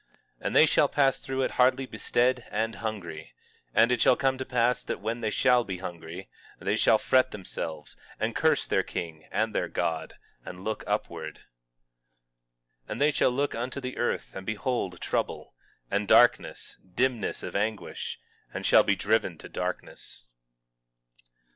18:21 And they shall pass through it hardly bestead and hungry; and it shall come to pass that when they shall be hungry, they shall fret themselves, and curse their king and their God, and look upward. 18:22 And they shall look unto the earth and behold trouble, and darkness, dimness of anguish, and shall be driven to darkness.